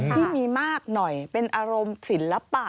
ที่มีมากหน่อยเป็นอารมณ์ศิลปะ